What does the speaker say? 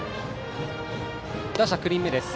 打者９人目です。